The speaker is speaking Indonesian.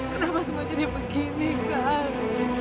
kenapa semuanya begini kak